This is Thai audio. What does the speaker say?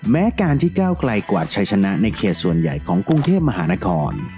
แม้การที่ก้าวไกลกวาดชัยชนะในเขตส่วนใหญ่ของกรุงเทพมหานคร